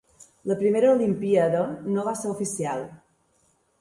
La primera olimpíada no va ser oficial.